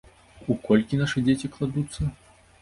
У колькі нашы дзеці кладуцца?